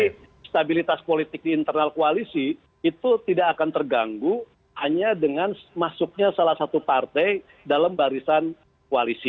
jadi stabilitas politik di internal koalisi itu tidak akan terganggu hanya dengan masuknya salah satu partai dalam barisan koalisi